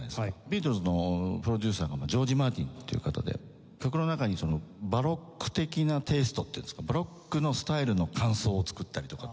ビートルズのプロデューサーがジョージ・マーティンという方で曲の中にバロック的なテイストっていうんですかバロックのスタイルの間奏を作ったりとか。